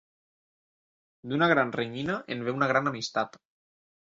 D'una gran renyina en ve una gran amistat.